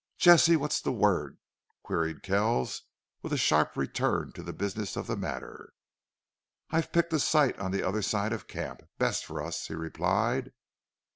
"Jesse, what's the word?" queried Kells, with a sharp return to the business of the matter. "I've picked a site on the other side of camp. Best fer us," he replied.